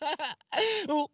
おっ！